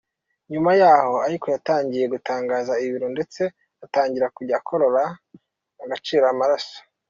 Nyuma yaho ariko yatangiye gutakaza ibiro ndetse atangira kujya akorora agacira amaraso.